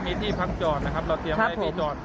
มีที่พักจอดนะครับเราเตรียมไว้ที่จอด